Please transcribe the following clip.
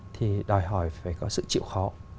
thì đòi hỏi phải có sự chịu khó